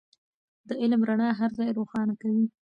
د علم رڼا هر ځای روښانه کوي.